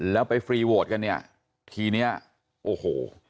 แล้วไปฟรีโวทส์กันทีนี้โอ้โห